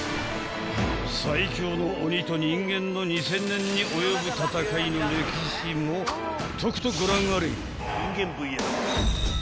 ［最強の鬼と人間の２，０００年に及ぶ戦いの歴史もとくとご覧あれ］